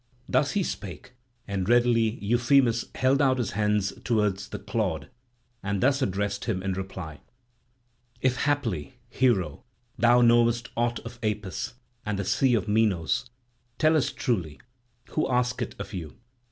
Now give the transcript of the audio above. Thus he spake, and readily Euphemus held out his hands towards the clod, and thus addressed him in reply: "If haply, hero, thou knowest aught of Apis and the sea of Minos, tell us truly, who ask it of you.